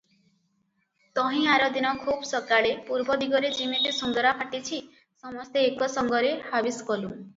ତହିଁ ଆରଦିନ ଖୁବ୍ ସକାଳେ ପୂର୍ବଦିଗରେ ଯିମିତି ସୁନ୍ଦରାଫାଟିଛି, ସମସ୍ତେ ଏକ ସଙ୍ଗରେ ହାବିସ କଲୁଁ ।